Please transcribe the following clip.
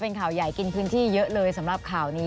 เป็นข่าวใหญ่กินพื้นที่เยอะเลยสำหรับข่าวนี้